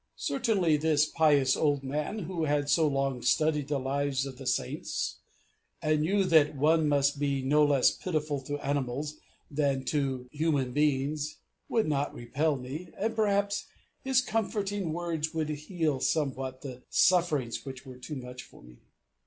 Certainly this pious old man, who had so long studied the lives of the Saints, and knew that one must be no less pitiful to animals than to human beings, would not repel me, and perhaps his comforting words would heal somewhat the sufferings which were too much for me.